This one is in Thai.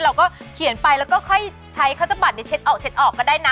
เราก็เขียนไปแล้วก็ค่อยใช้ข้าวตะบัดเช็ดออกก็ได้นะ